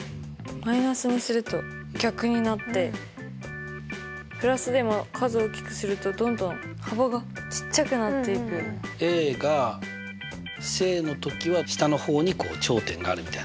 マイナスにすると逆になってプラスでも数大きくするとどんどん幅がちっちゃくなっていく。が正の時は下の方にこう頂点があるみたいな感じだよね。